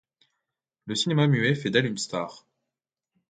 Le cinéma muet fait d'elle une star.